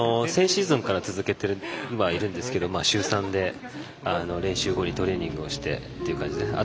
先シーズンから続けてはいるんですけど週３で練習後にトレーニングをして。